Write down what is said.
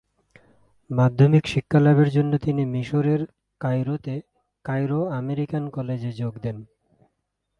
মাধ্যমিক শিক্ষালাভের জন্য তিনি মিশরের কায়রোতে কায়রো আমেরিকান কলেজে যোগ দেন।